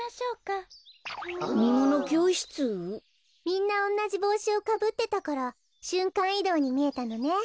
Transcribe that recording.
みんなおんなじぼうしをかぶってたからしゅんかんいどうにみえたのね。